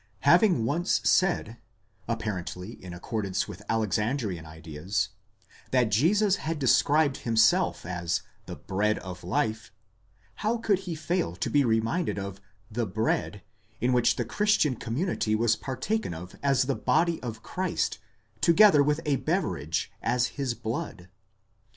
Having once said, apparently in accordance with Alexandrian ideas, that Jesus had described himself as the bread of life, how could he fail to be re minded of the dead, which in the Christian community was partaken of as the body of Christ, together with a beverage, as his blood?